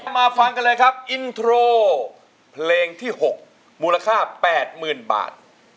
มาฟังกันเลยครับอินโทรเพลงที่๖มูลค่า๘๐๐๐บาท